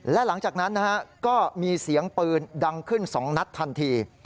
และหลังจากนั้นก็มีเสียงปืนดังขึ้น๒นัดทันที